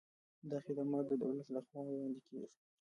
دا خدمات د دولت له خوا وړاندې کیږي.